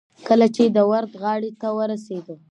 کله چې د ورد غاړې ته ورسېدو.